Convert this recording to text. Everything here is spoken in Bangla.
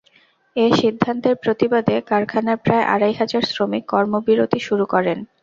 এ সিদ্ধান্তের প্রতিবাদে কারখানার প্রায় আড়াই হাজার শ্রমিক কর্মবিরতি শুরু করেন।